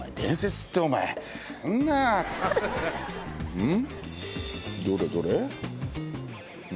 うん？